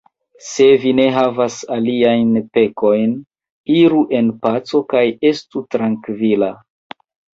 Se vi ne havas aliajn pekojn, iru en paco kaj estu trankvila!